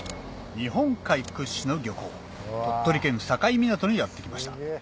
日本海屈指の漁港鳥取県境港にやって来ました